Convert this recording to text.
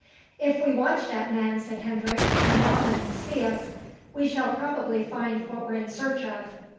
"If we watch that man," said Hendrik, "and not let him see us, we shall probably find what we're in search of.